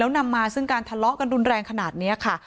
นำมาซึ่งการทะเลาะกันรุนแรงขนาดนี้ค่ะ